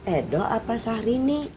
edoh apa saharini